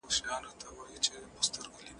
که سرتیری زړور نه وي نو جګړه بایلي.